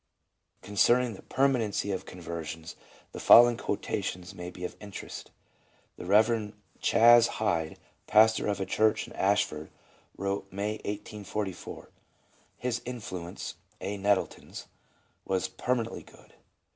Concerning the permanency of conversions, the following quota tions may be of interest:— The Rev. Chas. Hyde, pastor of a church in Ashford, wrote May, 1844: " His influence [A. Nettleton's] was permanently good."